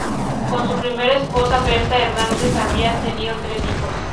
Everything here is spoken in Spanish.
Con su primera esposa, Bertha Hernández, había tenido tres hijos.